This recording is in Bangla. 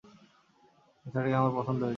বাচ্চাটাকে আমার পছন্দ হয়েছে।